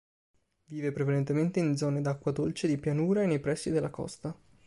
Vive prevalentemente in zone d'acqua dolce di pianura e nei pressi della costa.